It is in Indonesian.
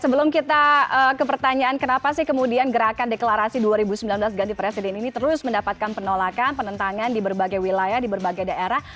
sebelum kita ke pertanyaan kenapa sih kemudian gerakan deklarasi dua ribu sembilan belas ganti presiden ini terus mendapatkan penolakan penentangan di berbagai wilayah di berbagai daerah